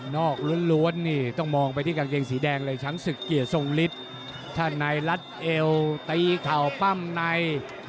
ล้วนนี่ต้องมองไปที่กางเกงสีแดงเลยช้างศึกเกียรติทรงฤทธิ์ถ้าในรัดเอวตีเข่าปั้มใน